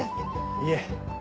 いえ。